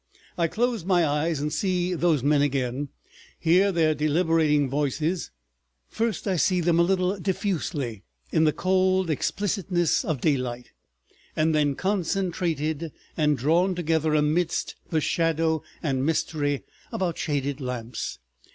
I close my eyes and see those men again, hear their deliberating voices. First I see them a little diffusely in the cold explicitness of daylight, and then concentrated and drawn together amidst the shadow and mystery about shaded lamps.